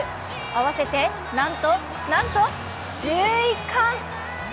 合わせて、なんと、なんと、１１冠。